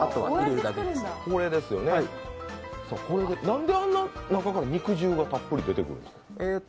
なんであんな中から肉汁がたっぷり出てくるんですか？